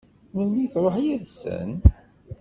Melmi i tṛuḥ yid-sen?